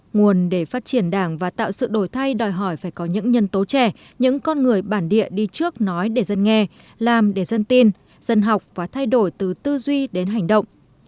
nguồn để phát triển đảng và tạo sự đổi thay đòi hỏi phải có những nhân tố trẻ những con người bản địa đi trước nói để dân nghe làm để dân tin dân học và thay đổi từ tư duy đến hành động